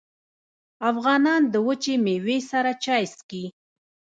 افغانان د وچې میوې سره چای څښي.